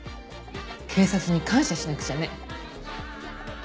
警察に感謝しなくちゃね。